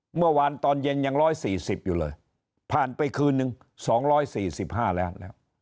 เมื่อวานตอนเย็นยัง๑๔๐อยู่เลยผ่านไปคืนนึง๒๔๕แล้วแล้ว